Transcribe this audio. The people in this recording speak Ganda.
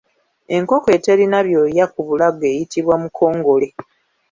Enkoko eterina byoya ku bulago eyitibwa mukongole.